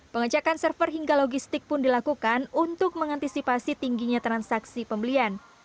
pengecekan server hingga logistik pun dilakukan untuk mengantisipasi tingginya transaksi pembelian